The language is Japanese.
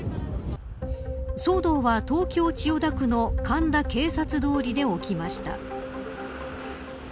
騒動は、東京、千代田区の神田警察通りで起きました。